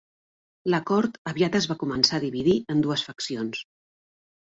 La cort aviat es va començar a dividir en dues faccions.